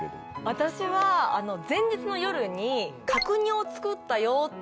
私はあの前日の夜に角煮を作ったよ！って